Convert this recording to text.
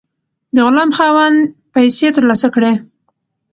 د غلام خاوند پیسې ترلاسه کړې.